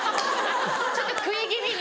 ちょっと食い気味に。